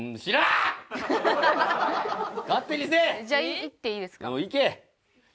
じゃあ行っていいですか？